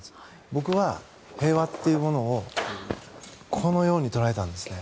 僕は平和というものをこのように捉えたんですね。